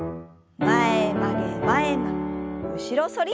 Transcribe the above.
前曲げ前曲げ後ろ反り。